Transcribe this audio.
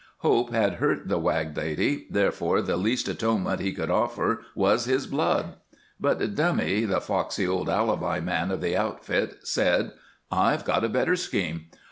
Hope had hurt the Wag lady, therefore the least atonement he could offer was his blood. But Dummy, the foxy old alibi man of the outfit, said: "I've got a better scheme.